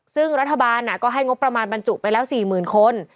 ซึ่งรัฐบาลน่ะก็ให้งบประมาณบรรจุไปแล้วสี่หมื่นคน